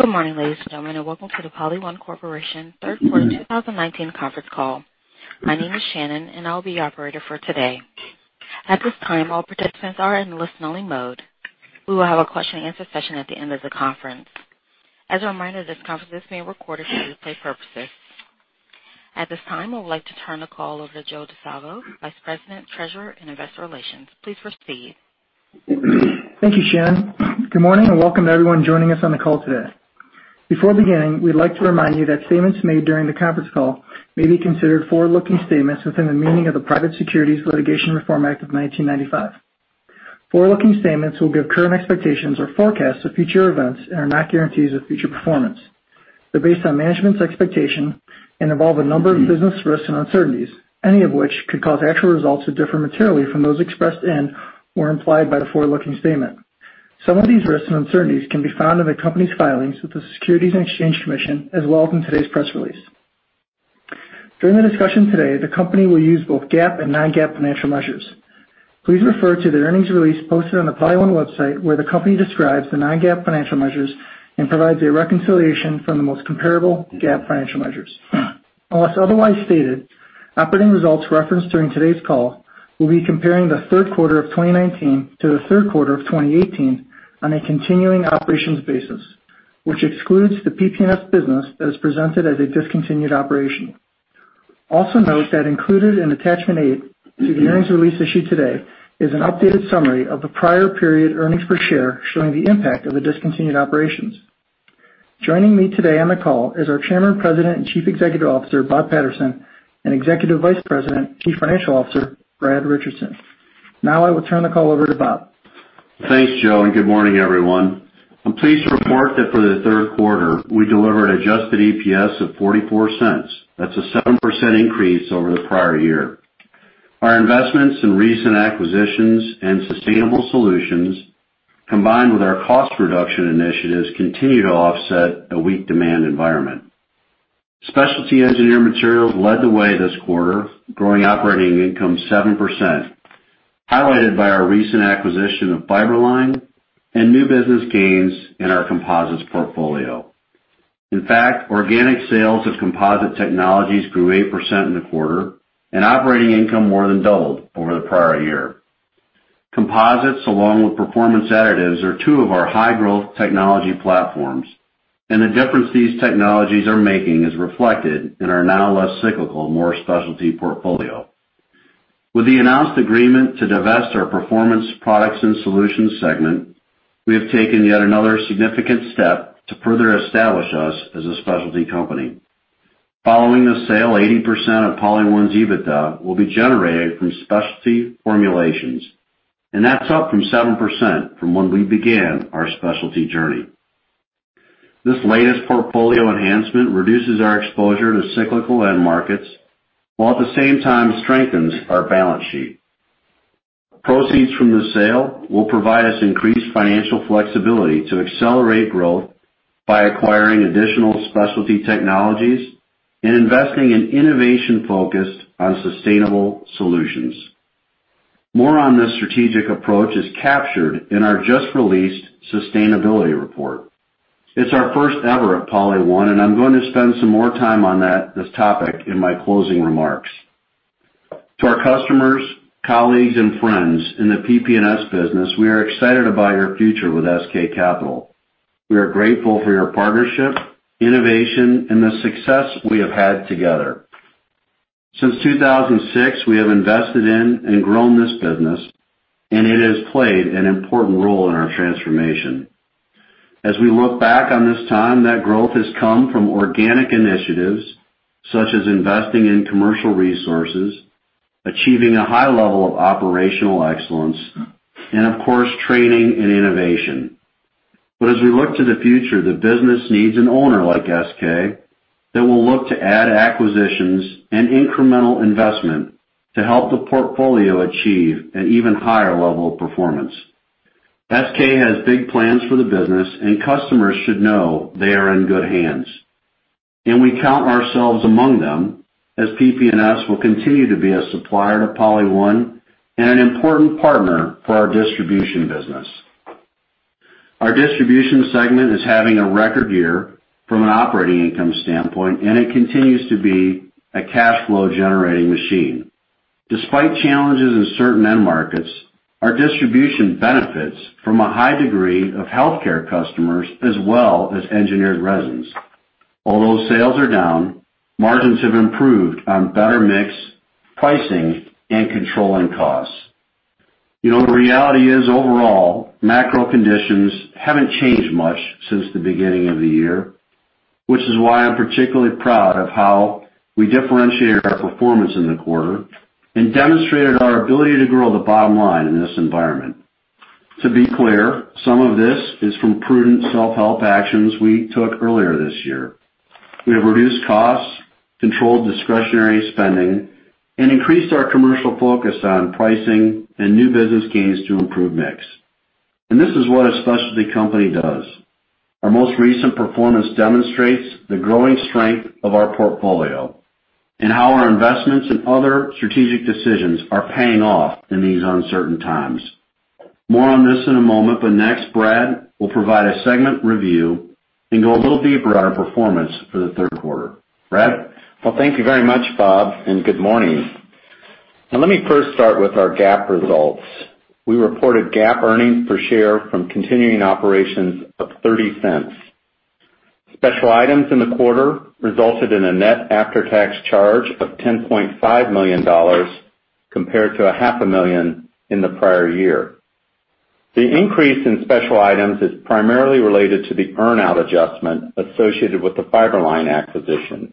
Good morning, ladies and gentlemen, and welcome to the PolyOne Corporation third quarter 2019 conference call. My name is Shannon, and I'll be your operator for today. At this time, all participants are in listen only mode. We will have a question and answer session at the end of the conference. As a reminder, this conference is being recorded for replay purposes. At this time, I would like to turn the call over to Joe Di Salvo, Vice President, Treasurer, and Investor Relations. Please proceed. Thank you, Shannon. Good morning, and welcome to everyone joining us on the call today. Before beginning, we'd like to remind you that statements made during the conference call may be considered forward-looking statements within the meaning of the Private Securities Litigation Reform Act of 1995. Forward-looking statements will give current expectations or forecasts of future events and are not guarantees of future performance. They're based on management's expectations and involve a number of business risks and uncertainties, any of which could cause actual results to differ materially from those expressed in or implied by the forward-looking statement. Some of these risks and uncertainties can be found in the company's filings with the Securities and Exchange Commission, as well as in today's press release. During the discussion today, the company will use both GAAP and non-GAAP financial measures. Please refer to the earnings release posted on the PolyOne website, where the company describes the non-GAAP financial measures and provides a reconciliation from the most comparable GAAP financial measures. Unless otherwise stated, operating results referenced during today's call will be comparing the third quarter of 2019 to the third quarter of 2018 on a continuing operations basis, which excludes the PP&S business that is presented as a discontinued operation. Also note that included in attachment eight to the earnings release issued today is an updated summary of the prior period earnings per share, showing the impact of the discontinued operations. Joining me today on the call is our Chairman, President, and Chief Executive Officer, Robert Patterson, and Executive Vice President, Chief Financial Officer, Bradley Richardson. Now I will turn the call over to Bob. Thanks, Joe. Good morning, everyone. I'm pleased to report that for the third quarter, we delivered adjusted EPS of $0.44. That's a 7% increase over the prior year. Our investments in recent acquisitions and sustainable solutions, combined with our cost reduction initiatives, continue to offset a weak demand environment. Specialty engineered materials led the way this quarter, growing operating income 7%, highlighted by our recent acquisition of Fiber-Line and new business gains in our composites portfolio. In fact, organic sales of composite technologies grew 8% in the quarter, and operating income more than doubled over the prior year. Composites, along with performance additives, are two of our high-growth technology platforms. The difference these technologies are making is reflected in our now less cyclical, more specialty portfolio. With the announced agreement to divest our Performance Products and Solutions segment, we have taken yet another significant step to further establish us as a specialty company. Following the sale, 80% of PolyOne's EBITDA will be generated from specialty formulations. That's up from 7% from when we began our specialty journey. This latest portfolio enhancement reduces our exposure to cyclical end markets, while at the same time strengthens our balance sheet. Proceeds from the sale will provide us increased financial flexibility to accelerate growth by acquiring additional specialty technologies and investing in innovation focused on sustainable solutions. More on this strategic approach is captured in our just-released sustainability report. It's our first ever at PolyOne. I'm going to spend some more time on this topic in my closing remarks. To our customers, colleagues, and friends in the PP&S business, we are excited about your future with SK Capital. We are grateful for your partnership, innovation, and the success we have had together. Since 2006, we have invested in and grown this business, and it has played an important role in our transformation. As we look back on this time, that growth has come from organic initiatives, such as investing in commercial resources, achieving a high level of operational excellence, and of course, training and innovation. As we look to the future, the business needs an owner like SK that will look to add acquisitions and incremental investment to help the portfolio achieve an even higher level of performance. SK has big plans for the business, and customers should know they are in good hands, and we count ourselves among them, as PP&S will continue to be a supplier to PolyOne and an important partner for our distribution business. Our distribution segment is having a record year from an operating income standpoint, and it continues to be a cash flow generating machine. Despite challenges in certain end markets, our distribution benefits from a high degree of healthcare customers as well as engineered resins. Although sales are down, margins have improved on better mix, pricing, and controlling costs. You know, the reality is overall, macro conditions haven't changed much since the beginning of the year, which is why I'm particularly proud of how we differentiated our performance in the quarter and demonstrated our ability to grow the bottom line in this environment. To be clear, some of this is from prudent self-help actions we took earlier this year. We have reduced costs, controlled discretionary spending, and increased our commercial focus on pricing and new business gains to improve mix. This is what a specialty company does. Our most recent performance demonstrates the growing strength of our portfolio. How our investments and other strategic decisions are paying off in these uncertain times. More on this in a moment, but next, Brad will provide a segment review and go a little deeper on our performance for the third quarter. Brad? Thank you very much, Bob, and good morning. Let me first start with our GAAP results. We reported GAAP earnings per share from continuing operations of $0.30. Special items in the quarter resulted in a net after-tax charge of $10.5 million compared to a half a million in the prior year. The increase in special items is primarily related to the earn-out adjustment associated with the Fiber-Line acquisition,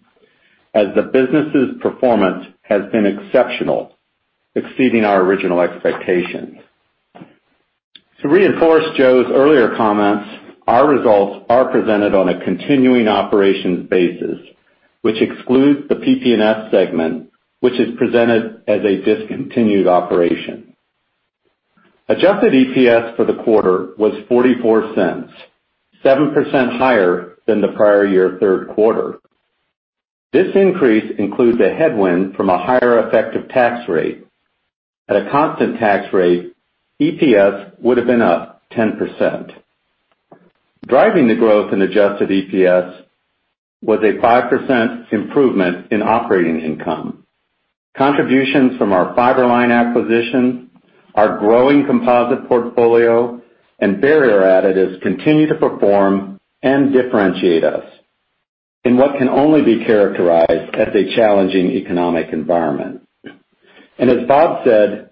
as the business's performance has been exceptional, exceeding our original expectations. To reinforce Joe's earlier comments, our results are presented on a continuing operations basis, which excludes the PP&S segment, which is presented as a discontinued operation. Adjusted EPS for the quarter was $0.44, 7% higher than the prior year third quarter. This increase includes a headwind from a higher effective tax rate. At a constant tax rate, EPS would've been up 10%. Driving the growth in adjusted EPS was a 5% improvement in operating income. Contributions from our Fiber-Line acquisition, our growing composite portfolio, and barrier additives continue to perform and differentiate us in what can only be characterized as a challenging economic environment. As Bob said,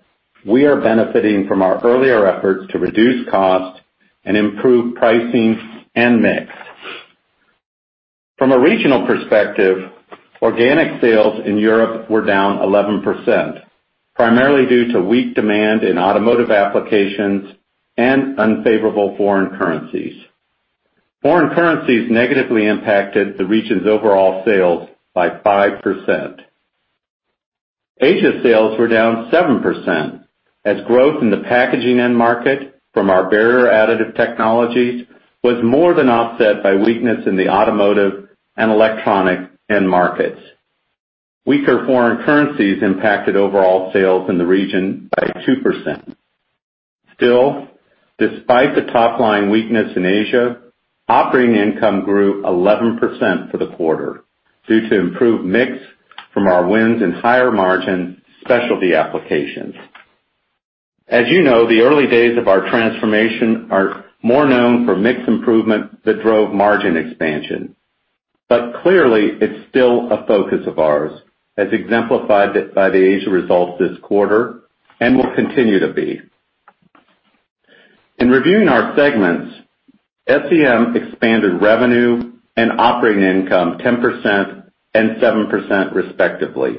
we are benefiting from our earlier efforts to reduce cost and improve pricing and mix. From a regional perspective, organic sales in Europe were down 11%, primarily due to weak demand in automotive applications and unfavorable foreign currencies. Foreign currencies negatively impacted the region's overall sales by 5%. Asia sales were down 7%, as growth in the packaging end market from our barrier additive technologies was more than offset by weakness in the automotive and electronic end markets. Weaker foreign currencies impacted overall sales in the region by 2%. Still, despite the top-line weakness in Asia, operating income grew 11% for the quarter due to improved mix from our wins in higher margin specialty applications. As you know, the early days of our transformation are more known for mix improvement that drove margin expansion. Clearly, it's still a focus of ours, as exemplified by the Asia results this quarter, and will continue to be. In reviewing our segments, SEM expanded revenue and operating income 10% and 7% respectively.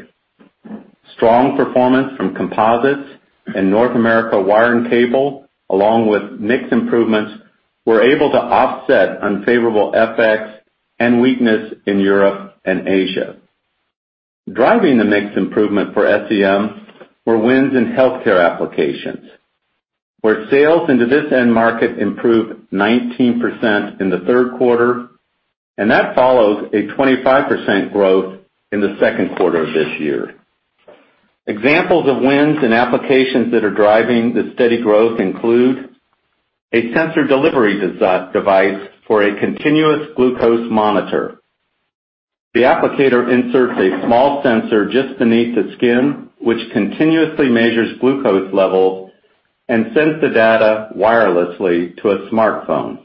Strong performance from composites and North America wire and cable, along with mix improvements, were able to offset unfavorable FX and weakness in Europe and Asia. Driving the mix improvement for SEM were wins in healthcare applications, where sales into this end market improved 19% in the third quarter, and that follows a 25% growth in the second quarter of this year. Examples of wins and applications that are driving the steady growth include a sensor delivery device for a continuous glucose monitor. The applicator inserts a small sensor just beneath the skin, which continuously measures glucose levels and sends the data wirelessly to a smartphone.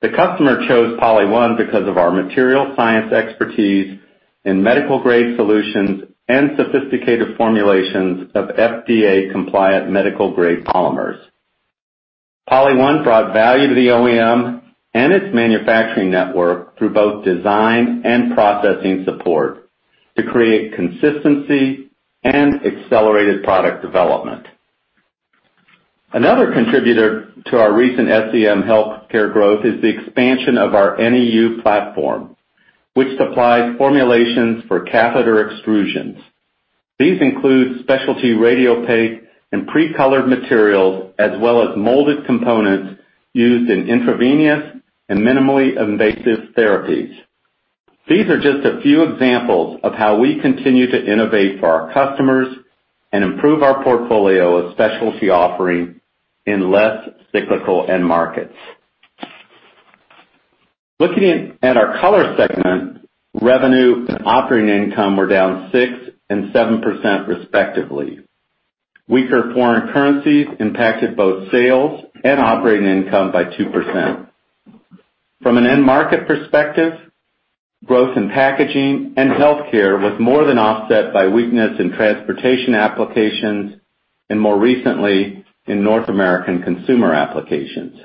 The customer chose PolyOne because of our material science expertise in medical-grade solutions and sophisticated formulations of FDA-compliant medical-grade polymers. PolyOne brought value to the OEM and its manufacturing network through both design and processing support to create consistency and accelerated product development. Another contributor to our recent SEM healthcare growth is the expansion of our NEU platform, which supplies formulations for catheter extrusions. These include specialty radiopaque and pre-colored materials, as well as molded components used in intravenous and minimally invasive therapies. These are just a few examples of how we continue to innovate for our customers and improve our portfolio of specialty offerings in less cyclical end markets. Looking at our Color segment, revenue and operating income were down 6% and 7% respectively. Weaker foreign currencies impacted both sales and operating income by 2%. From an end-market perspective, growth in packaging and healthcare was more than offset by weakness in transportation applications, and more recently, in North American consumer applications.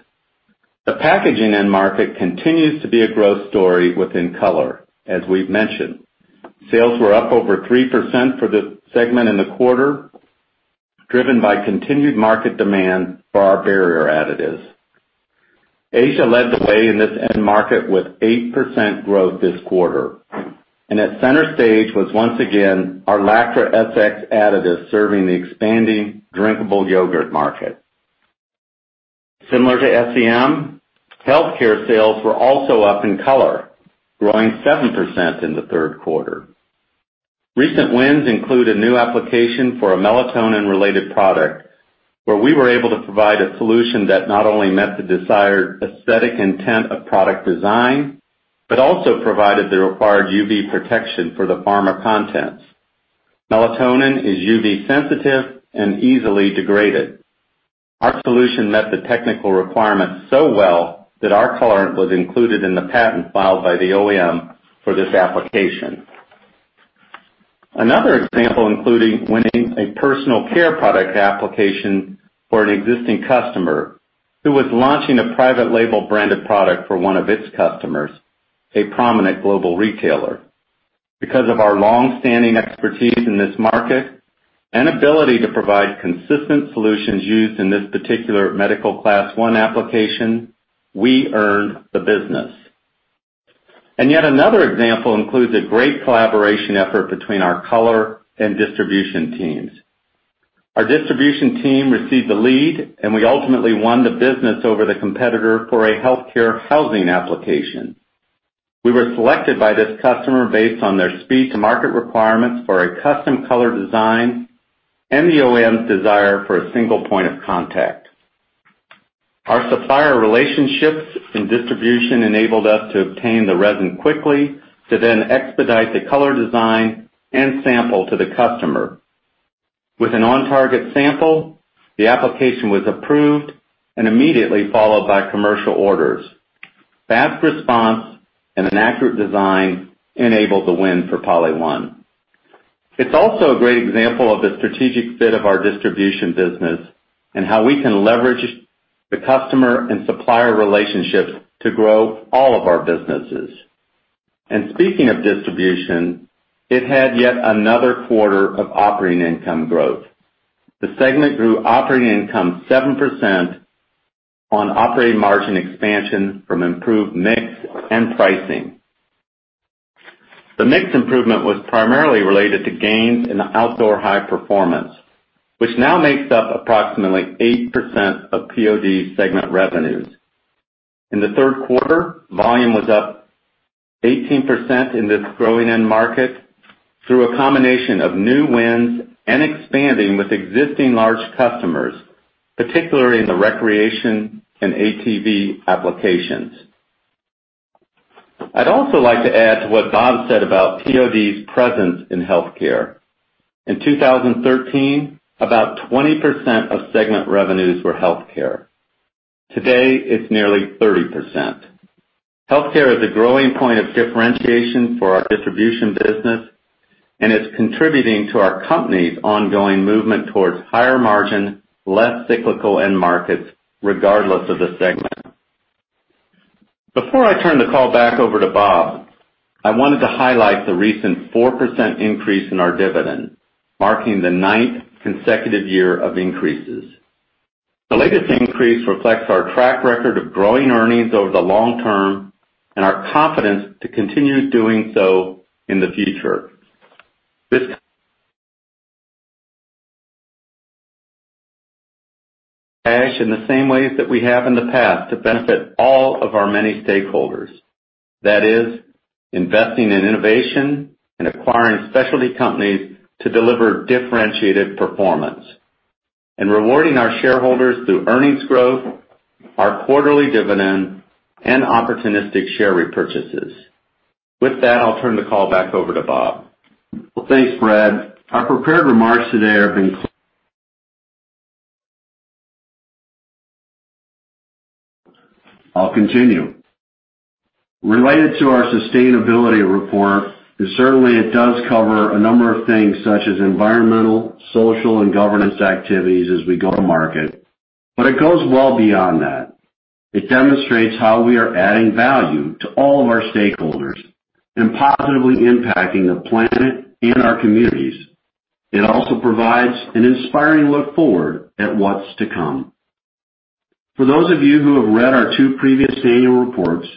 The packaging end market continues to be a growth story within Color, as we've mentioned. Sales were up over 3% for this segment in the quarter, driven by continued market demand for our barrier additives. Asia led the way in this end market with 8% growth this quarter, and at center stage was once again our ColorMatrix Lactra additive serving the expanding drinkable yogurt market. Similar to SEM, healthcare sales were also up in color, growing 7% in the third quarter. Recent wins include a new application for a melatonin-related product where we were able to provide a solution that not only met the desired aesthetic intent of product design, but also provided the required UV protection for the pharma contents. Melatonin is UV sensitive and easily degraded. Our solution met the technical requirements so well that our colorant was included in the patent filed by the OEM for this application. Another example including winning a personal care product application for an existing customer who was launching a private label branded product for one of its customers, a prominent global retailer. Because of our longstanding expertise in this market and ability to provide consistent solutions used in this particular medical class 1 application, we earned the business. Yet another example includes a great collaboration effort between our color and distribution teams. Our distribution team received the lead, and we ultimately won the business over the competitor for a healthcare housing application. We were selected by this customer based on their speed to market requirements for a custom color design and the OEM's desire for a single point of contact. Our supplier relationships and distribution enabled us to obtain the resin quickly to then expedite the color design and sample to the customer. With an on-target sample, the application was approved and immediately followed by commercial orders. Fast response and an accurate design enabled the win for PolyOne. It's also a great example of the strategic fit of our distribution business and how we can leverage the customer and supplier relationships to grow all of our businesses. Speaking of distribution, it had yet another quarter of operating income growth. The segment grew operating income 7% on operating margin expansion from improved mix and pricing. The mix improvement was primarily related to gains in Outdoor High Performance, which now makes up approximately 8% of POD segment revenues. In the third quarter, volume was up 18% in this growing end market through a combination of new wins and expanding with existing large customers, particularly in the recreation and ATV applications. I'd also like to add to what Bob said about POD's presence in healthcare. In 2013, about 20% of segment revenues were healthcare. Today, it's nearly 30%. Healthcare is a growing point of differentiation for our distribution business, and it's contributing to our company's ongoing movement towards higher margin, less cyclical end markets, regardless of the segment. Before I turn the call back over to Bob, I wanted to highlight the recent 4% increase in our dividend, marking the ninth consecutive year of increases. The latest increase reflects our track record of growing earnings over the long term and our confidence to continue doing so in the future. This cash in the same ways that we have in the past to benefit all of our many stakeholders. That is, investing in innovation and acquiring specialty companies to deliver differentiated performance, and rewarding our shareholders through earnings growth, our quarterly dividend, and opportunistic share repurchases. With that, I'll turn the call back over to Bob. Well, thanks, Brad. Our prepared remarks today have been I'll continue. Related to our sustainability report is certainly it does cover a number of things such as environmental, social, and governance activities as we go to market, but it goes well beyond that. It demonstrates how we are adding value to all of our stakeholders and positively impacting the planet and our communities. It also provides an inspiring look forward at what's to come. For those of you who have read our two previous annual reports,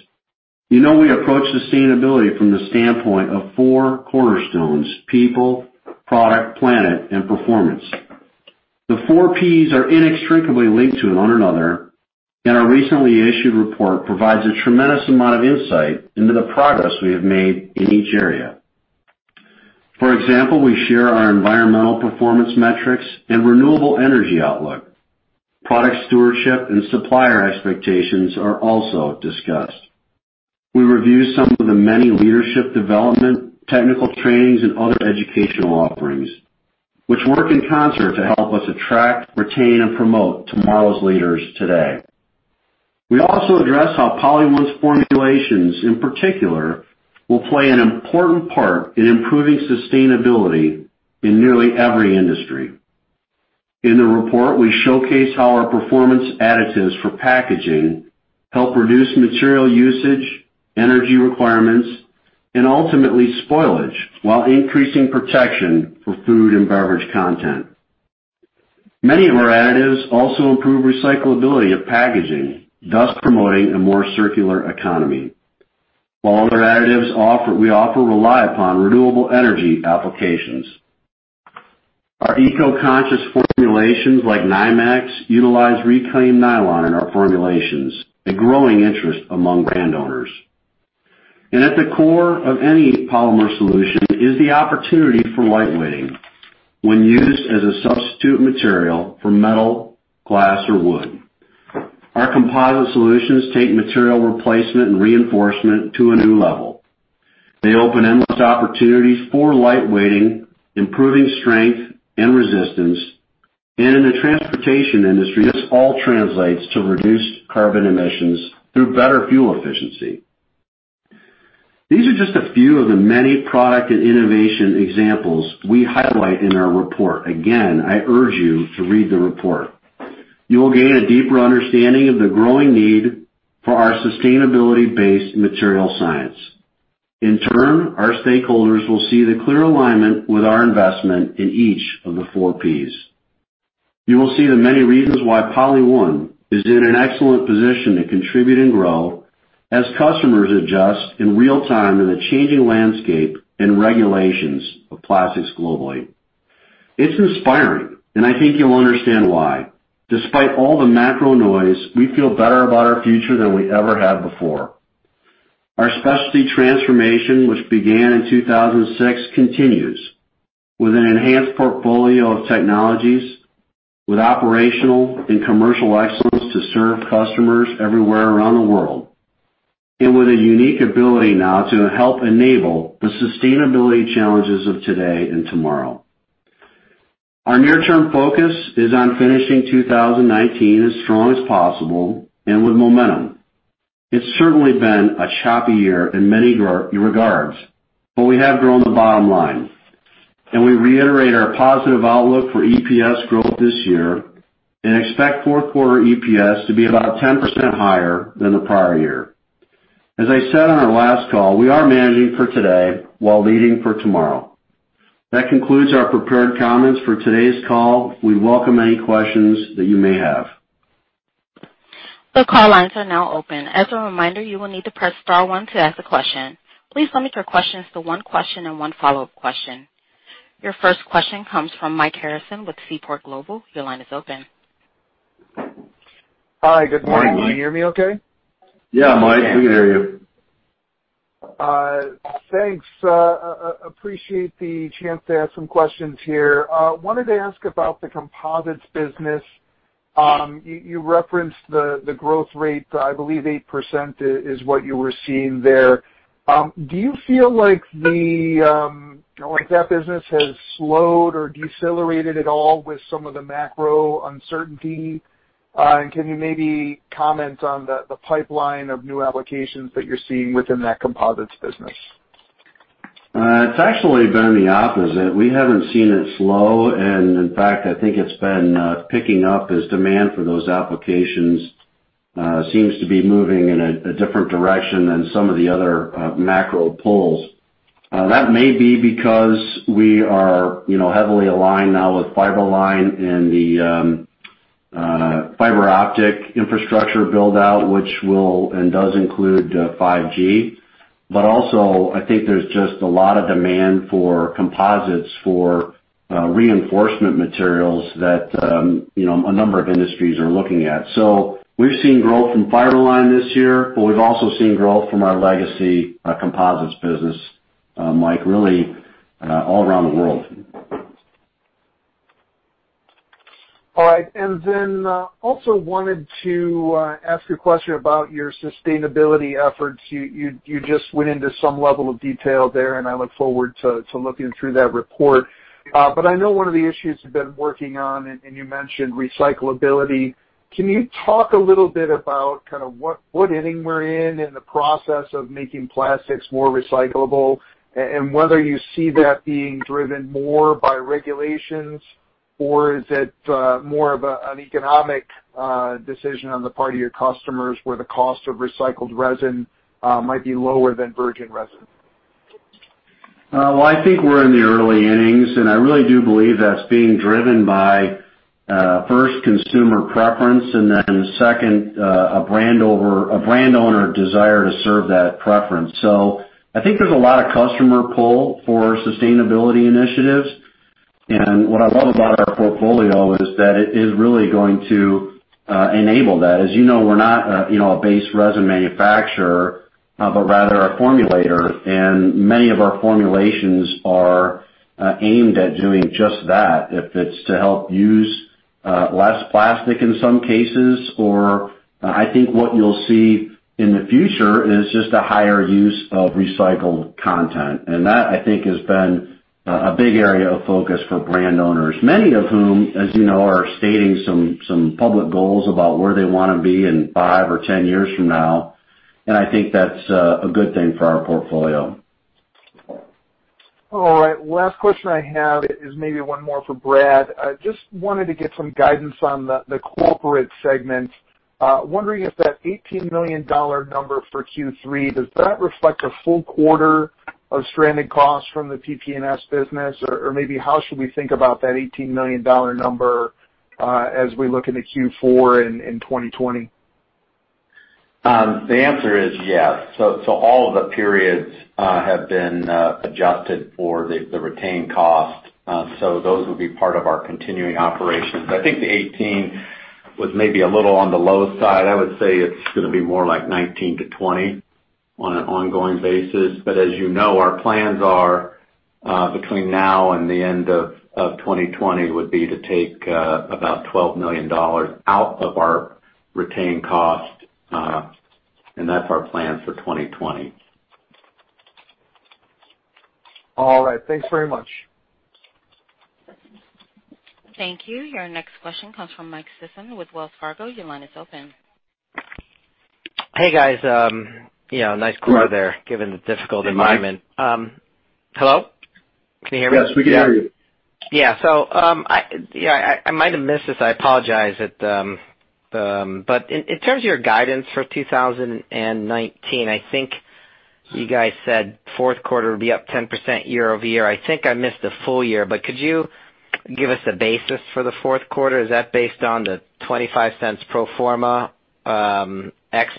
you know we approach sustainability from the standpoint of four cornerstones, People, Product, Planet, and Performance. The four Ps are inextricably linked to one another, and our recently issued report provides a tremendous amount of insight into the progress we have made in each area. For example, we share our environmental performance metrics and renewable energy outlook. Product stewardship and supplier expectations are also discussed. We review some of the many leadership development, technical trainings, and other educational offerings, which work in concert to help us attract, retain, and promote tomorrow's leaders today. We also address how PolyOne's formulations, in particular, will play an important part in improving sustainability in nearly every industry. In the report, we showcase how our performance additives for packaging help reduce material usage, energy requirements, and ultimately spoilage while increasing protection for food and beverage content. Many of our additives also improve recyclability of packaging, thus promoting a more circular economy. While other additives we offer rely upon renewable energy applications. Our eco-conscious formulations like Nymax utilize reclaimed nylon in our formulations, a growing interest among brand owners. At the core of any polymer solution is the opportunity for lightweighting, when used as a substitute material for metal, glass, or wood. Our composite solutions take material replacement and reinforcement to a new level. They open endless opportunities for lightweighting, improving strength and resistance, and in the transportation industry, this all translates to reduced carbon emissions through better fuel efficiency. These are just a few of the many product and innovation examples we highlight in our report. Again, I urge you to read the report. You will gain a deeper understanding of the growing need for our sustainability-based material science. In turn, our stakeholders will see the clear alignment with our investment in each of the four Ps. You will see the many reasons why PolyOne is in an excellent position to contribute and grow as customers adjust in real time in the changing landscape and regulations of plastics globally. It's inspiring, and I think you'll understand why. Despite all the macro noise, we feel better about our future than we ever have before. Our specialty transformation, which began in 2006, continues with an enhanced portfolio of technologies with operational and commercial excellence to serve customers everywhere around the world, and with a unique ability now to help enable the sustainability challenges of today and tomorrow. Our near-term focus is on finishing 2019 as strong as possible and with momentum. It's certainly been a choppy year in many regards, but we have grown the bottom line, and we reiterate our positive outlook for EPS growth this year and expect fourth quarter EPS to be about 10% higher than the prior year. As I said on our last call, we are managing for today while leading for tomorrow. That concludes our prepared comments for today's call. We welcome any questions that you may have. The call lines are now open. As a reminder, you will need to press star one to ask a question. Please limit your questions to one question and one follow-up question. Your first question comes from Mike Harrison with Seaport Global. Your line is open. Hi. Good morning. Can you hear me okay? Yeah, Mike, we can hear you. Thanks. Appreciate the chance to ask some questions here. Wanted to ask about the composites business. You referenced the growth rate, I believe 8% is what you were seeing there. Do you feel like that business has slowed or decelerated at all with some of the macro uncertainty? Can you maybe comment on the pipeline of new applications that you're seeing within that composites business? It's actually been the opposite. We haven't seen it slow. In fact, I think it's been picking up as demand for those applications seems to be moving in a different direction than some of the other macro pulls. That may be because we are heavily aligned now with Fiber-Line and the fiber optic infrastructure build-out, which will and does include 5G. Also, I think there's just a lot of demand for composites for reinforcement materials that a number of industries are looking at. We've seen growth from Fiber-Line this year, but we've also seen growth from our legacy composites business, Mike, really all around the world. All right. Also wanted to ask a question about your sustainability efforts. You just went into some level of detail there, and I look forward to looking through that report. I know one of the issues you've been working on, and you mentioned recyclability. Can you talk a little bit about what inning we're in the process of making plastics more recyclable, and whether you see that being driven more by regulations, or is it more of an economic decision on the part of your customers where the cost of recycled resin might be lower than virgin resin? Well, I think we're in the early innings, and I really do believe that's being driven by, first, consumer preference, and then second, a brand owner desire to serve that preference. I think there's a lot of customer pull for sustainability initiatives. What I love about our portfolio is that it is really going to enable that. As you know, we're not a base resin manufacturer, but rather a formulator, and many of our formulations are aimed at doing just that, if it's to help use less plastic in some cases, or I think what you'll see in the future is just a higher use of recycled content. That, I think, has been a big area of focus for brand owners, many of whom, as you know, are stating some public goals about where they want to be in five or 10 years from now, and I think that's a good thing for our portfolio. All right. Last question I have is maybe one more for Brad. Just wanted to get some guidance on the corporate segment. Wondering if that $18 million number for Q3, does that reflect a full quarter of stranded costs from the PP&S business? Maybe how should we think about that $18 million number as we look into Q4 in 2020? The answer is yes. All of the periods have been adjusted for the retained cost. Those would be part of our continuing operations. I think the 2018 was maybe a little on the low side. I would say it's going to be more like $19 million to $20 million on an ongoing basis. As you know, our plans are, between now and the end of 2020, would be to take about $12 million out of our retained cost. That's our plan for 2020. All right. Thanks very much. Thank you. Your next question comes from Michael Sison with Wells Fargo. Your line is open. Hey, guys. Nice quarter there, given the difficult environment. Hey, Mike. Hello? Can you hear me? Yes, we can hear you. I might have missed this. I apologize. In terms of your guidance for 2019, I think you guys said fourth quarter would be up 10% year-over-year. I think I missed the full year. Could you give us a basis for the fourth quarter? Is that based on the $0.25 pro forma ex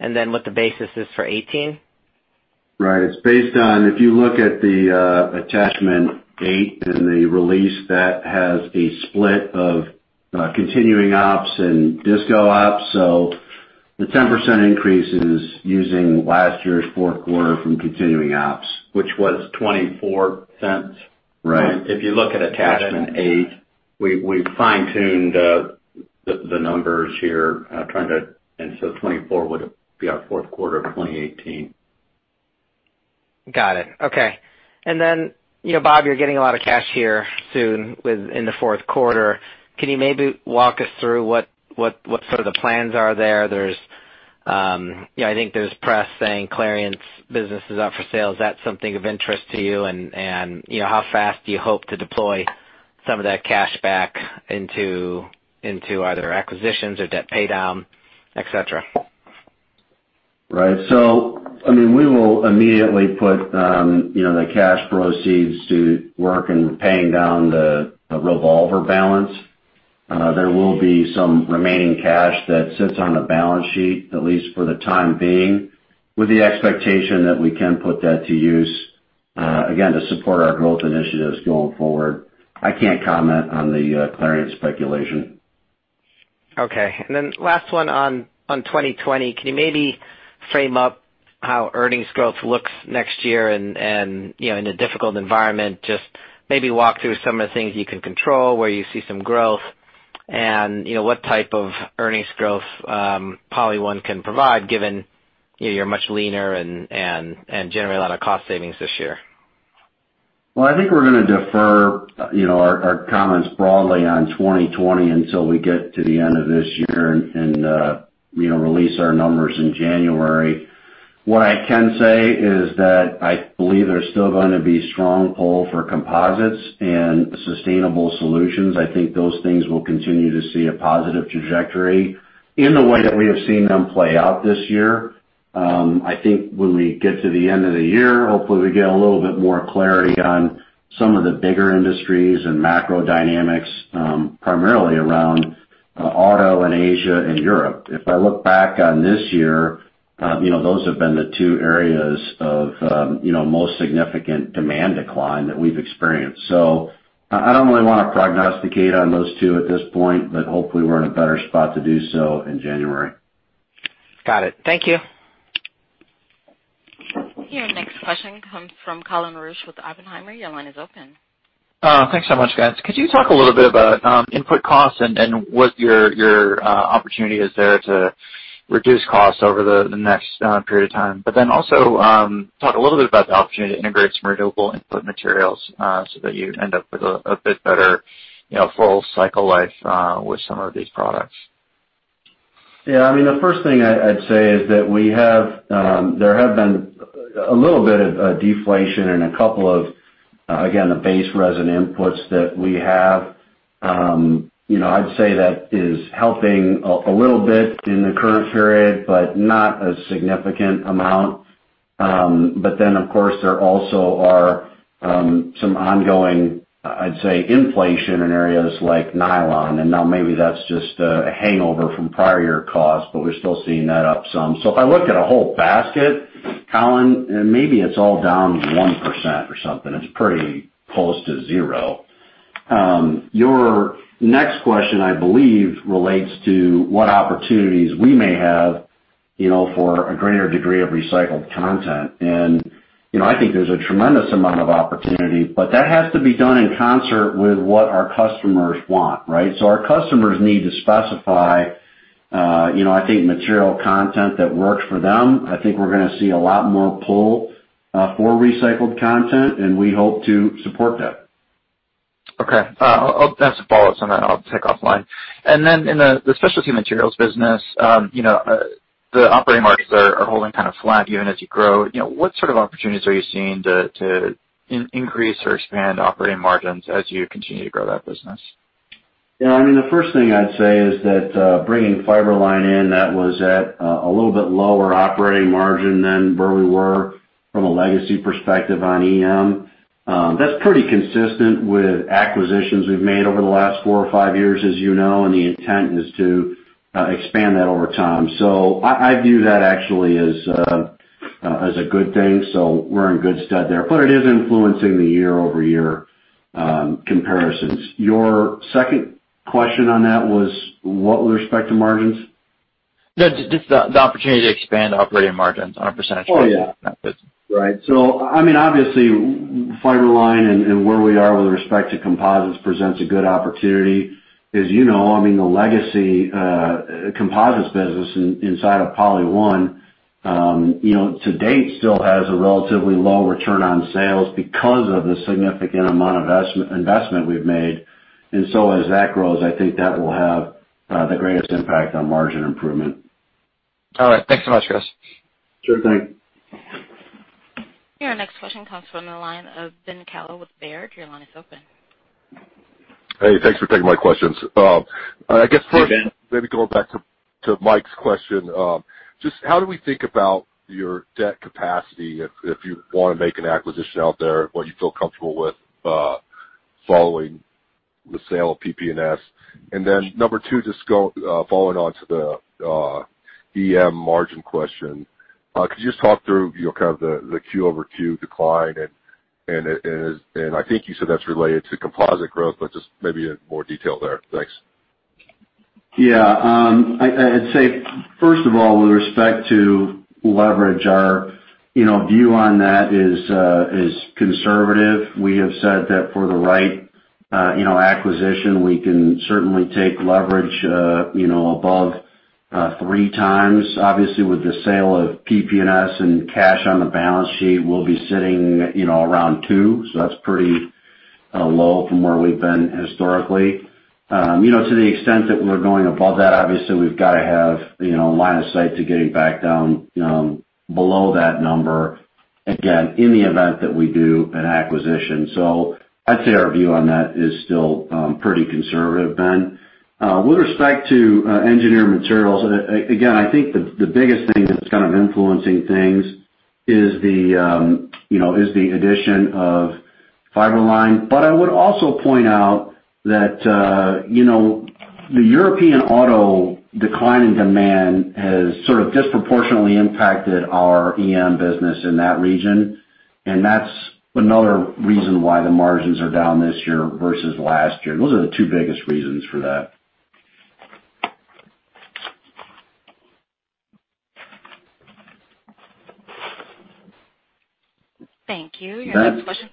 PP&S? What the basis is for 2018. Right. It's based on, if you look at the attachment eight in the release that has a split of continuing ops and disco ops. The 10% increase is using last year's fourth quarter from continuing ops. Which was $0.24. Right. If you look at attachment eight, we fine-tuned the numbers here. 24 would be our fourth quarter of 2018. Got it. Okay. Bob, you're getting a lot of cash here soon in the fourth quarter. Can you maybe walk us through what sort of the plans are there? I think there's press saying Clariant business is up for sale. Is that something of interest to you? How fast do you hope to deploy some of that cash back into either acquisitions or debt pay down, et cetera? Right. We will immediately put the cash proceeds to work in paying down the revolver balance. There will be some remaining cash that sits on the balance sheet, at least for the time being, with the expectation that we can put that to use, again, to support our growth initiatives going forward. I can't comment on the Clariant speculation. Okay. Last one on 2020. Can you maybe frame up how earnings growth looks next year and in a difficult environment? Just maybe walk through some of the things you can control, where you see some growth, and what type of earnings growth PolyOne can provide, given you're much leaner and generate a lot of cost savings this year. Well, I think we're going to defer our comments broadly on 2020 until we get to the end of this year and release our numbers in January. What I can say is that I believe there's still going to be strong pull for composites and sustainable solutions. I think those things will continue to see a positive trajectory in the way that we have seen them play out this year. I think when we get to the end of the year, hopefully we get a little bit more clarity on some of the bigger industries and macro dynamics, primarily around auto in Asia and Europe. If I look back on this year, those have been the two areas of most significant demand decline that we've experienced. I don't really want to prognosticate on those two at this point, but hopefully we're in a better spot to do so in January. Got it. Thank you. Your next question comes from Colin Rusch with Oppenheimer. Your line is open. Thanks so much, guys. Could you talk a little bit about input costs and what your opportunity is there to reduce costs over the next period of time? Also talk a little bit about the opportunity to integrate some renewable input materials, so that you end up with a bit better full cycle life with some of these products. Yeah. The first thing I'd say is that there have been a little bit of deflation in a couple of, again, the base resin inputs that we have. I'd say that is helping a little bit in the current period, but not a significant amount. Of course, there also are some ongoing, I'd say, inflation in areas like Nylon. Maybe that's just a hangover from prior year costs, but we're still seeing that up some. If I look at a whole basket, Colin, maybe it's all down 1% or something. It's pretty close to zero. Your next question, I believe, relates to what opportunities we may have for a greater degree of recycled content. I think there's a tremendous amount of opportunity, but that has to be done in concert with what our customers want, right? Our customers need to specify I think material content that works for them. I think we're going to see a lot more pull for recycled content, and we hope to support that. Okay. As a follow-up on that, I'll take offline. In the specialty materials business, the operating margins are holding kind of flat even as you grow. What sort of opportunities are you seeing to increase or expand operating margins as you continue to grow that business? The first thing I'd say is that bringing Fiber-Line in, that was at a little bit lower operating margin than where we were. From a legacy perspective on EM, that's pretty consistent with acquisitions we've made over the last four or five years, as you know, the intent is to expand that over time. I view that actually as a good thing. We're in good stead there. It is influencing the year-over-year comparisons. Your second question on that was what with respect to margins? No, just the opportunity to expand operating margins on a percentage. Oh, yeah. Right. Obviously, Fiber-Line and where we are with respect to composites presents a good opportunity. As you know, the legacy composites business inside of PolyOne to date still has a relatively low return on sales because of the significant amount of investment we've made. As that grows, I think that will have the greatest impact on margin improvement. All right. Thanks so much, Chris. Sure thing. Your next question comes from the line of Ben Kallo with Baird. Your line is open. Hey, thanks for taking my questions. Hi, Ben. I guess first, maybe going back to Mike's question, just how do we think about your debt capacity if you want to make an acquisition out there, what you feel comfortable with, following the sale of PP&S? Then number 2, just following on to the EM margin question, could you just talk through the Q-over-Q decline and I think you said that's related to composite growth, but just maybe in more detail there. Thanks. Yeah. I'd say, first of all, with respect to leverage, our view on that is conservative. We have said that for the right acquisition, we can certainly take leverage above three times. Obviously, with the sale of PP&S and cash on the balance sheet, we'll be sitting around two, so that's pretty low from where we've been historically. To the extent that we're going above that, obviously, we've got to have line of sight to getting back down below that number again, in the event that we do an acquisition. I'd say our view on that is still pretty conservative, Ben. With respect to engineered materials, again, I think the biggest thing that's kind of influencing things is the addition of Fiber-Line. I would also point out that the European auto decline in demand has sort of disproportionately impacted our EM business in that region, and that's another reason why the margins are down this year versus last year. Those are the two biggest reasons for that. Thank you. Your next question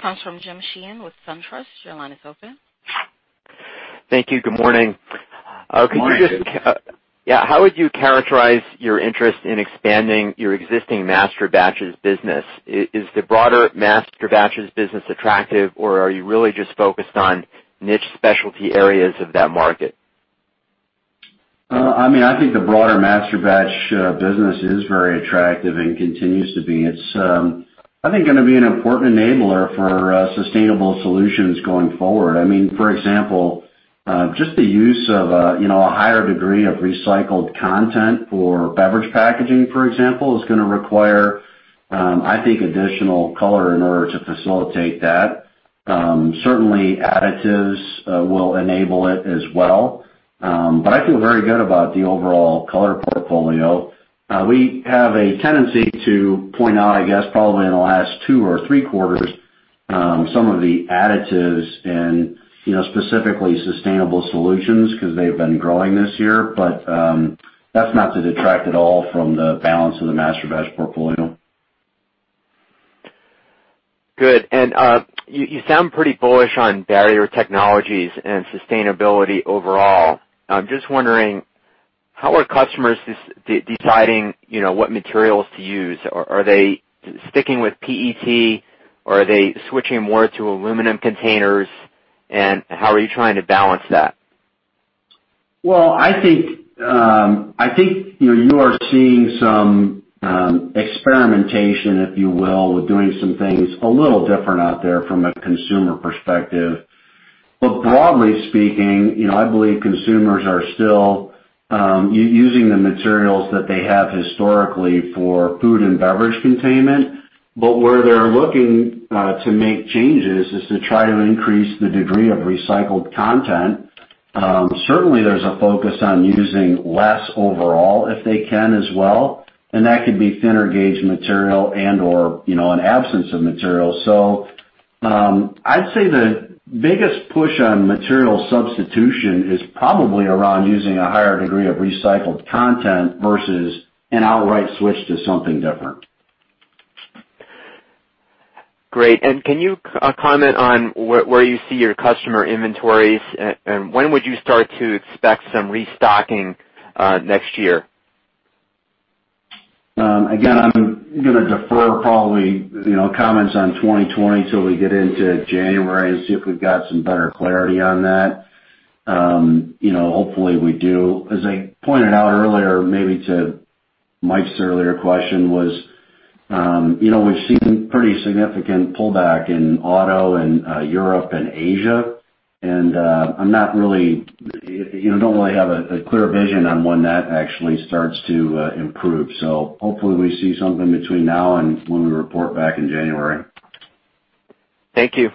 comes from James Sheehan with SunTrust. Your line is open. Thank you. Good morning. Good morning. Yeah. How would you characterize your interest in expanding your existing masterbatches business? Is the broader masterbatches business attractive, or are you really just focused on niche specialty areas of that market? I think the broader masterbatch business is very attractive and continues to be. It's, I think, going to be an important enabler for sustainable solutions going forward. For example, just the use of a higher degree of recycled content for beverage packaging, for example, is going to require, I think, additional color in order to facilitate that. Certainly, additives will enable it as well. I feel very good about the overall color portfolio. We have a tendency to point out, I guess, probably in the last two or three quarters, some of the additives and specifically sustainable solutions because they've been growing this year. That's not to detract at all from the balance of the masterbatch portfolio. Good. You sound pretty bullish on barrier technologies and sustainability overall. I'm just wondering, how are customers deciding what materials to use? Are they sticking with PET, or are they switching more to aluminum containers? How are you trying to balance that? Well, I think you are seeing some experimentation, if you will, with doing some things a little different out there from a consumer perspective. Broadly speaking, I believe consumers are still using the materials that they have historically for food and beverage containment. Where they're looking to make changes is to try to increase the degree of recycled content. Certainly, there's a focus on using less overall if they can as well, and that could be thinner gauge material and/or an absence of material. I'd say the biggest push on material substitution is probably around using a higher degree of recycled content versus an outright switch to something different. Great. Can you comment on where you see your customer inventories, and when would you start to expect some restocking next year? Again, I'm going to defer probably comments on 2020 till we get into January and see if we've got some better clarity on that. Hopefully we do. As I pointed out earlier, maybe to Mike's earlier question was, we've seen pretty significant pullback in auto in Europe and Asia. I don't really have a clear vision on when that actually starts to improve. Hopefully we see something between now and when we report back in January. Thank you.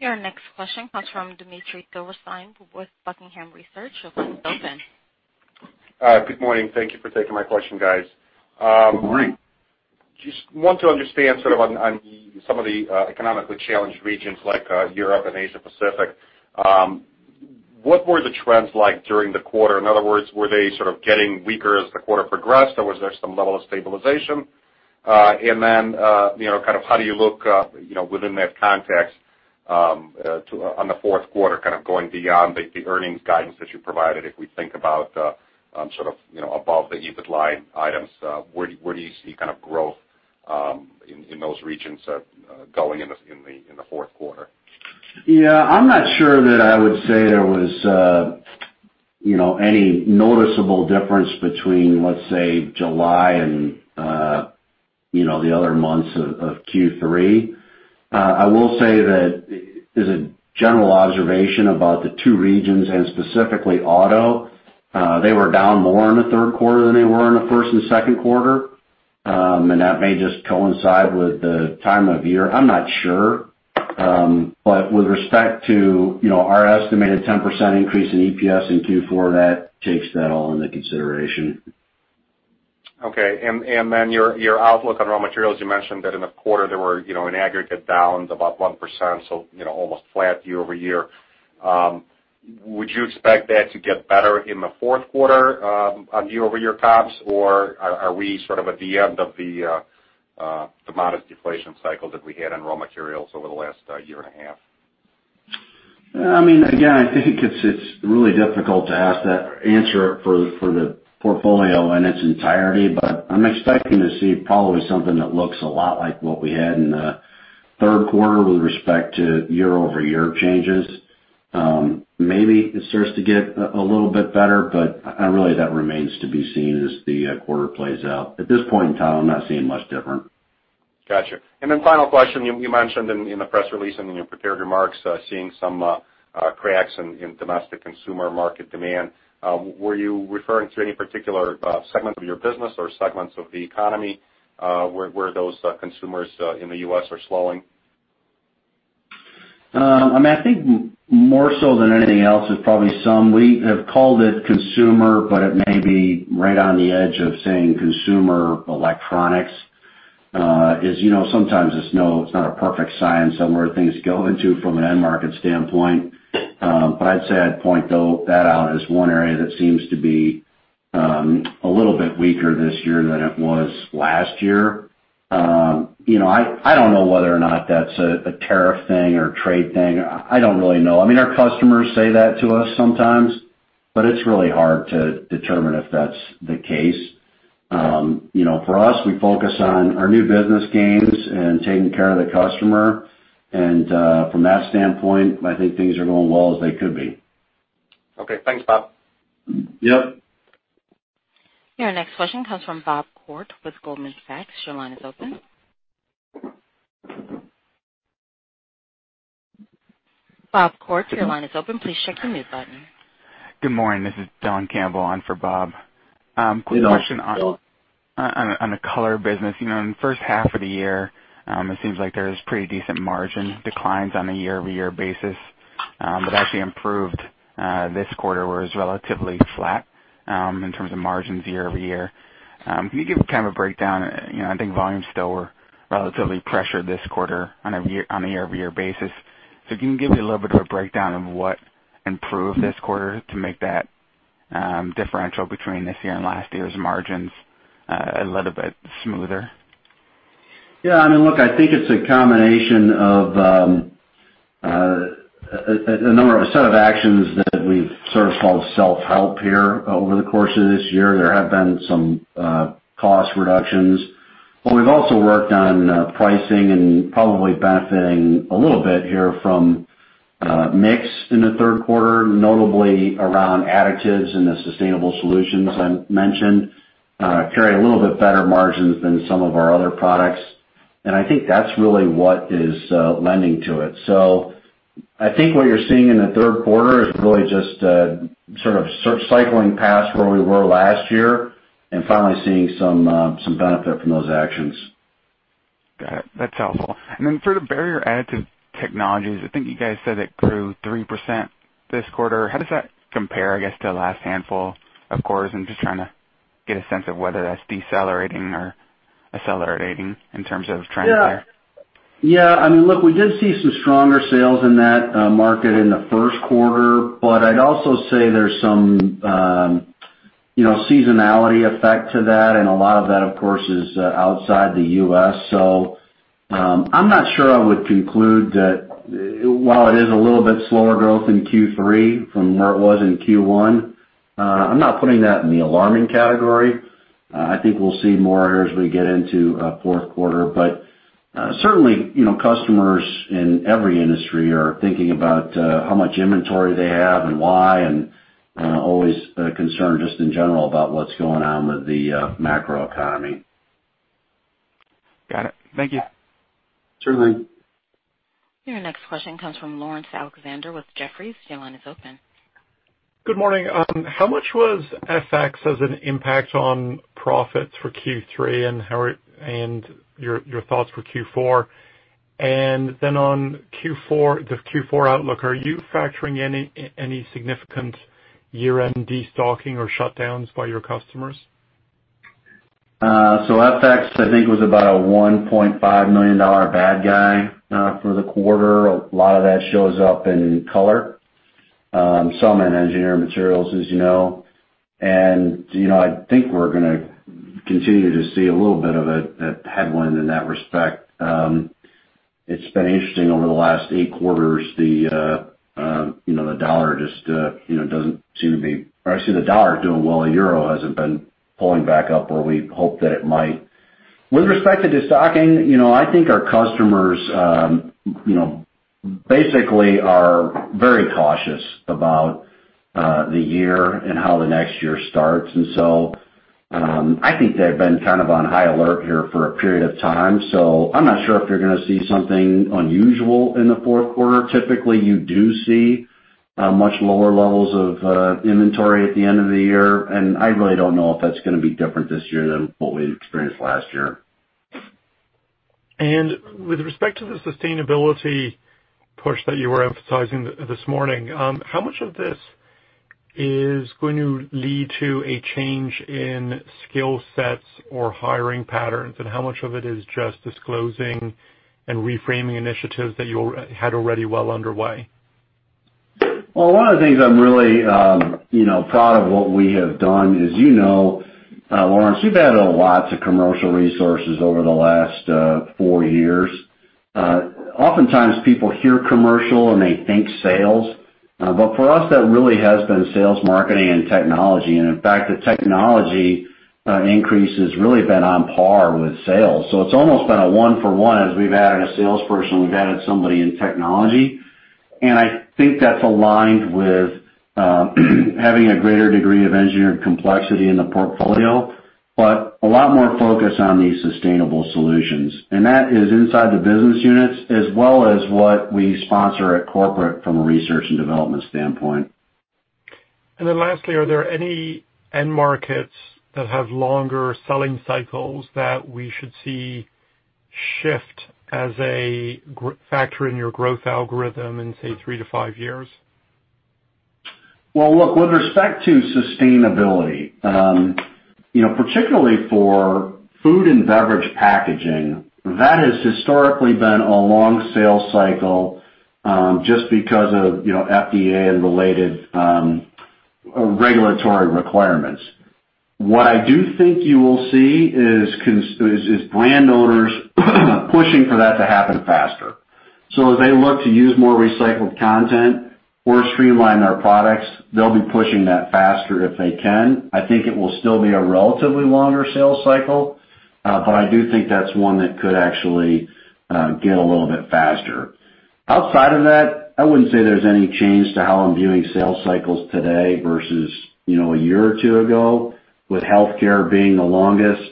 Your next question comes from Dmitry Silversteyn with Buckingham Research. Your line is open. Good morning. Thank you for taking my question, guys. Good morning. Just want to understand sort of on some of the economically challenged regions like Europe and Asia Pacific, what were the trends like during the quarter? In other words, were they sort of getting weaker as the quarter progressed, or was there some level of stabilization? How do you look within that context on the fourth quarter, kind of going beyond the earnings guidance that you provided, if we think about sort of above the EBIT line items, where do you see kind of growth in those regions going in the fourth quarter? Yeah, I'm not sure that I would say there was any noticeable difference between, let's say, July and the other months of Q3. I will say that as a general observation about the two regions and specifically auto, they were down more in the third quarter than they were in the first and second quarter. That may just coincide with the time of year. I'm not sure. With respect to our estimated 10% increase in EPS in Q4, that takes that all into consideration. Okay. Your outlook on raw materials, you mentioned that in the quarter there were an aggregate down to about 1%, so almost flat year-over-year. Would you expect that to get better in the fourth quarter on year-over-year comps, or are we sort of at the end of the modest deflation cycle that we had on raw materials over the last year and a half? I think it's really difficult to ask that answer for the portfolio in its entirety. I'm expecting to see probably something that looks a lot like what we had in the third quarter with respect to year-over-year changes. Maybe it starts to get a little bit better, but really that remains to be seen as the quarter plays out. At this point in time, I'm not seeing much different. Got you. Final question, you mentioned in the press release and in your prepared remarks, seeing some cracks in domestic consumer market demand. Were you referring to any particular segment of your business or segments of the economy where those consumers in the U.S. are slowing? I think more so than anything else is probably some, we have called it consumer, but it may be right on the edge of saying consumer electronics. As you know, sometimes it's not a perfect science on where things go into from an end market standpoint. I'd say I'd point that out as one area that seems to be a little bit weaker this year than it was last year. I don't know whether or not that's a tariff thing or a trade thing. I don't really know. Our customers say that to us sometimes, but it's really hard to determine if that's the case. For us, we focus on our new business gains and taking care of the customer. From that standpoint, I think things are going well as they could be. Okay. Thanks, Bob. Yep. Your next question comes from Bob Koort with Goldman Sachs. Your line is open. Bob Koort, your line is open. Please check your mute button. Good morning. This is Dylan Campbell on for Bob. Good morning, Don. Quick question on the Color business. In the first half of the year, it seems like there's pretty decent margin declines on a year-over-year basis. Actually improved this quarter was relatively flat in terms of margins year-over-year. Can you give kind of a breakdown? I think volumes still were relatively pressured this quarter on a year-over-year basis. Can you give me a little bit of a breakdown of what improved this quarter to make that differential between this year and last year's margins a little bit smoother? Yeah, look, I think it's a combination of a set of actions that we've sort of called self-help here over the course of this year. There have been some cost reductions. We've also worked on pricing and probably benefiting a little bit here from mix in the third quarter, notably around additives in the sustainable solutions I mentioned, carry a little bit better margins than some of our other products. I think that's really what is lending to it. I think what you're seeing in the third quarter is really just sort of cycling past where we were last year and finally seeing some benefit from those actions. Got it. That's helpful. Then for the barrier additive technologies, I think you guys said it grew 3% this quarter. How does that compare, I guess, to the last handful of quarters? I'm just trying to get a sense of whether that's decelerating or accelerating in terms of trends there. Yeah. Look, we did see some stronger sales in that market in the first quarter, but I'd also say there's some seasonality effect to that, and a lot of that, of course, is outside the U.S. I'm not sure I would conclude that while it is a little bit slower growth in Q3 from where it was in Q1, I'm not putting that in the alarming category. I think we'll see more as we get into fourth quarter, but certainly customers in every industry are thinking about how much inventory they have and why, and always concerned just in general about what's going on with the macro economy. Got it. Thank you. Sure thing. Your next question comes from Laurence Alexander with Jefferies. Your line is open. Good morning. How much was FX as an impact on profits for Q3 and your thoughts for Q4? On the Q4 outlook, are you factoring any significant year-end destocking or shutdowns by your customers? FX, I think, was about a $1.5 million bad guy for the quarter. A lot of that shows up in color, some in engineered materials, as you know. I think we're going to continue to see a little bit of a headwind in that respect. It's been interesting over the last 8 quarters, the dollar just doesn't seem to be, or actually the dollar doing well, the euro hasn't been pulling back up where we hope that it might. With respect to destocking, I think our customers basically are very cautious about the year and how the next year starts. I think they've been kind of on high alert here for a period of time. I'm not sure if you're going to see something unusual in the fourth quarter. Typically, you do see much lower levels of inventory at the end of the year, and I really don't know if that's going to be different this year than what we experienced last year. With respect to the sustainability push that you were emphasizing this morning, how much of this is going to lead to a change in skill sets or hiring patterns, and how much of it is just disclosing and reframing initiatives that you had already well underway? One of the things I'm really proud of what we have done is, Laurence, you've added lots of commercial resources over the last four years. Oftentimes people hear commercial and they think sales. For us, that really has been sales, marketing, and technology. In fact, the technology increase has really been on par with sales. It's almost been a one for one. As we've added a salesperson, we've added somebody in technology. I think that's aligned with having a greater degree of engineered complexity in the portfolio, but a lot more focus on these sustainable solutions. That is inside the business units as well as what we sponsor at corporate from a research and development standpoint. Lastly, are there any end markets that have longer selling cycles that we should see shift as a factor in your growth algorithm in, say, three to five years? Look, with respect to sustainability, particularly for food and beverage packaging, that has historically been a long sales cycle, just because of FDA and related regulatory requirements. What I do think you will see is brand owners pushing for that to happen faster. As they look to use more recycled content or streamline their products, they'll be pushing that faster if they can. I think it will still be a relatively longer sales cycle. I do think that's one that could actually get a little bit faster. Outside of that, I wouldn't say there's any change to how I'm viewing sales cycles today versus a year or two ago, with healthcare being the longest,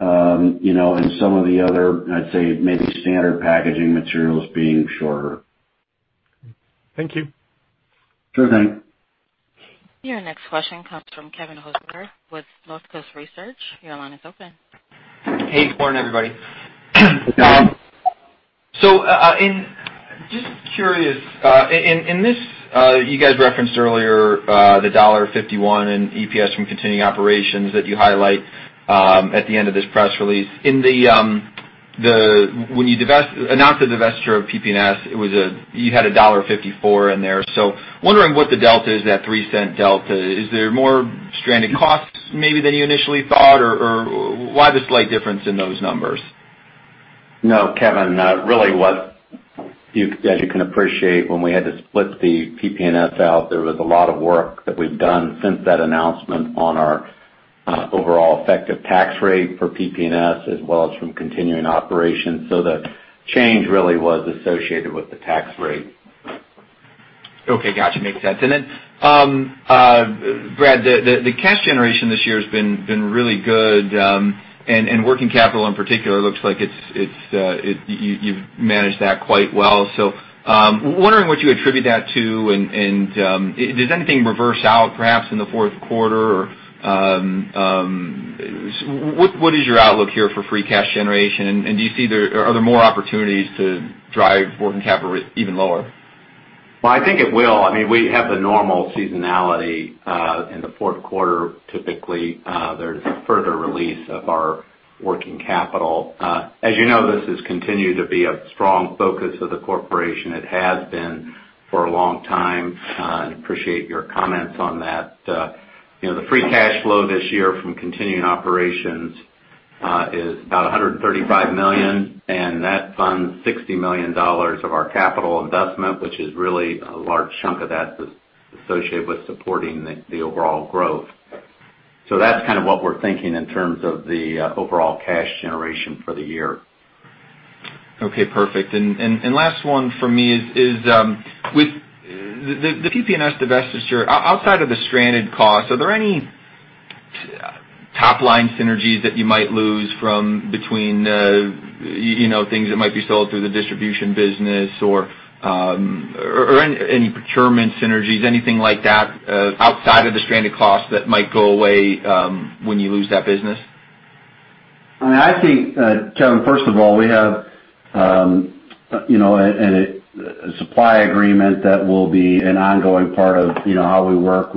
and some of the other, I'd say, maybe standard packaging materials being shorter. Thank you. Sure thing. Your next question comes from Kevin Hocevar with Northcoast Research. Your line is open. Hey, good morning, everybody. Hey, Kevin. Just curious, you guys referenced earlier the $1.51 in EPS from continuing operations that you highlight at the end of this press release. When you announced the divestiture of PP&S, you had $1.54 in there. Wondering what the delta is, that $0.03 delta. Is there more stranded costs maybe than you initially thought? Why the slight difference in those numbers? No, Kevin, really, as you can appreciate, when we had to split the PP&S out, there was a lot of work that we've done since that announcement on our overall effective tax rate for PP&S as well as from continuing operations. The change really was associated with the tax rate. Okay. Got you. Makes sense. Brad, the cash generation this year has been really good. Working capital in particular looks like you've managed that quite well. Wondering what you attribute that to, and does anything reverse out perhaps in the fourth quarter? What is your outlook here for free cash generation, and are there more opportunities to drive working capital even lower? Well, I think it will. We have the normal seasonality in the fourth quarter. Typically, there's a further release of our working capital. As you know, this has continued to be a strong focus of the corporation. It has been for a long time. Appreciate your comments on that. The free cash flow this year from continuing operations is about $135 million, and that funds $60 million of our capital investment, which is really a large chunk of that's associated with supporting the overall growth. That's kind of what we're thinking in terms of the overall cash generation for the year. Okay, perfect. Last one from me is, with the PP&S divestiture, outside of the stranded cost, are there any top-line synergies that you might lose from between things that might be sold through the distribution business or any procurement synergies, anything like that outside of the stranded cost that might go away when you lose that business? I think, Kevin, first of all, we have a supply agreement that will be an ongoing part of how we work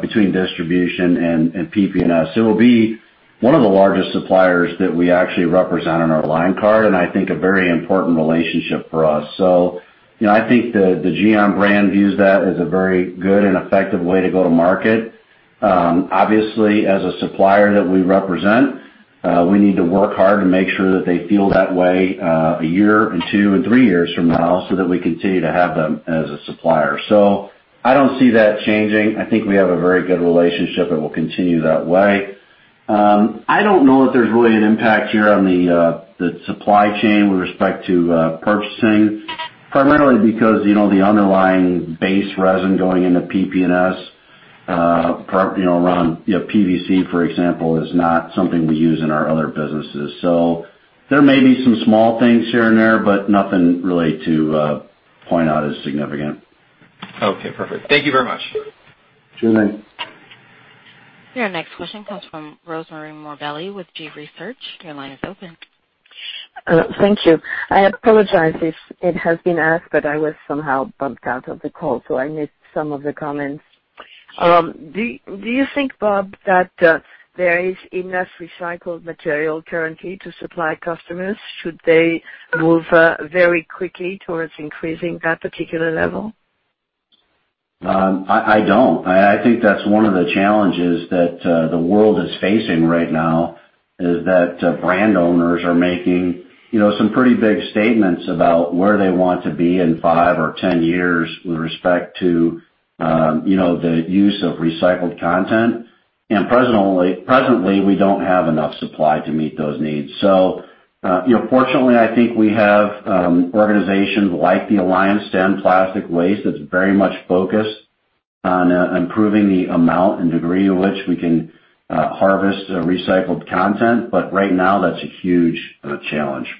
between distribution and PP&S. It will be one of the largest suppliers that we actually represent on our line card, and I think a very important relationship for us. I think the Geon brand views that as a very good and effective way to go to market. Obviously, as a supplier that we represent, we need to work hard to make sure that they feel that way a year and two and three years from now, so that we continue to have them as a supplier. I don't see that changing. I think we have a very good relationship, and we'll continue that way. I don't know if there's really an impact here on the supply chain with respect to purchasing, primarily because the underlying base resin going into PP&S around PVC, for example, is not something we use in our other businesses. There may be some small things here and there, but nothing really to point out as significant. Okay, perfect. Thank you very much. Sure thing. Your next question comes from Rosemarie Morbelli with G-Research. Your line is open. Thank you. I apologize if it has been asked, but I was somehow bumped out of the call, so I missed some of the comments. Do you think, Bob, that there is enough recycled material currently to supply customers should they move very quickly towards increasing that particular level? I don't. I think that's one of the challenges that the world is facing right now, is that brand owners are making some pretty big statements about where they want to be in five or 10 years with respect to the use of recycled content. Presently, we don't have enough supply to meet those needs. Fortunately, I think we have organizations like the Alliance to End Plastic Waste that's very much focused on improving the amount and degree to which we can harvest recycled content. Right now, that's a huge challenge.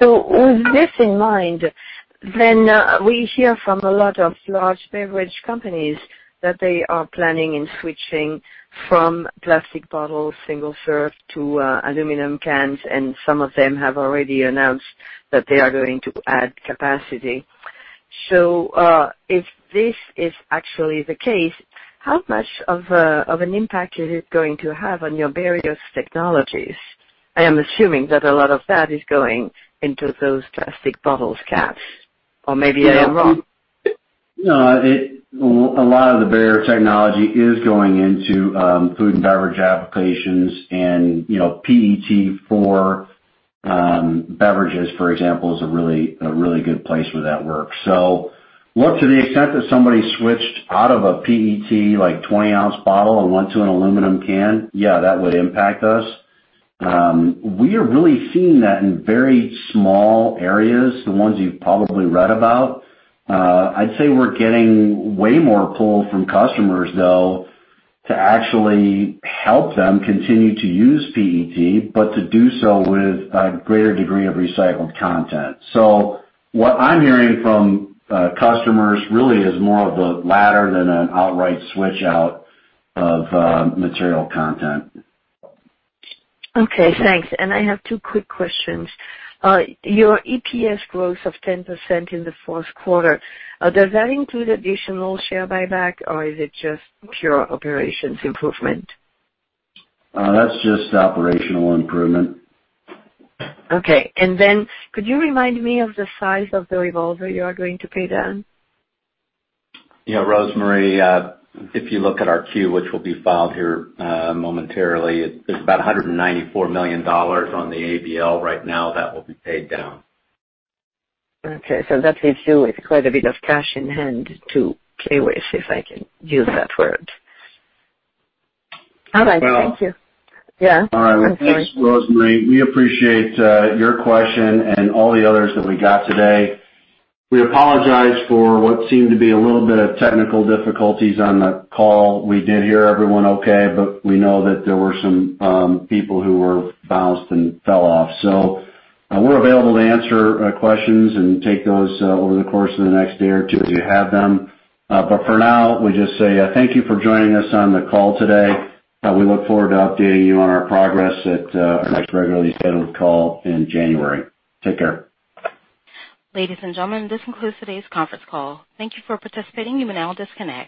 With this in mind, we hear from a lot of large beverage companies that they are planning in switching from plastic bottles, single-serve, to aluminum cans, and some of them have already announced that they are going to add capacity. If this is actually the case, how much of an impact is it going to have on your barrier technologies? I am assuming that a lot of that is going into those plastic bottles caps. Maybe I am wrong. A lot of the barrier technology is going into food and beverage applications, and PET for beverages, for example, is a really good place where that works. Look, to the extent that somebody switched out of a PET 20-ounce bottle and went to an aluminum can, yeah, that would impact us. We are really seeing that in very small areas, the ones you've probably read about. I'd say we're getting way more pull from customers, though, to actually help them continue to use PET, but to do so with a greater degree of recycled content. What I'm hearing from customers really is more of the latter than an outright switch out of material content. Okay, thanks. I have two quick questions. Your EPS growth of 10% in the fourth quarter, does that include additional share buyback, or is it just pure operations improvement? That's just operational improvement. Okay. Could you remind me of the size of the revolver you are going to pay down? Rosemarie, if you look at our Q, which will be filed here momentarily, it's about $194 million on the ABL right now that will be paid down. Okay. That leaves you with quite a bit of cash in hand to play with, if I can use that word. All right. Thank you. Yeah. All right. Well, thanks, Rosemarie. We appreciate your question and all the others that we got today. We apologize for what seemed to be a little bit of technical difficulties on the call. We did hear everyone okay, but we know that there were some people who were bounced and fell off. We're available to answer questions and take those over the course of the next day or two, if you have them. For now, we just say thank you for joining us on the call today. We look forward to updating you on our progress at our next regularly scheduled call in January. Take care. Ladies and gentlemen, this concludes today's conference call. Thank you for participating. You may now disconnect.